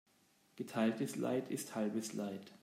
Geteiltes Leid ist halbes Leid.